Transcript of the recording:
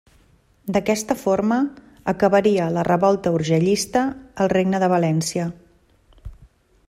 D'aquesta forma, acabaria la revolta urgellista al Regne de València.